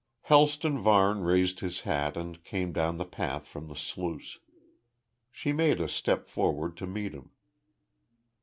Helston Varne raised his hat and came down the path from the sluice. She made a step forward to meet him.